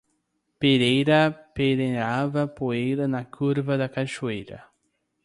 Pereira peneirava poeira na curva da cachoeira.